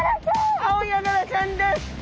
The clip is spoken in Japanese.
アオヤガラちゃんです。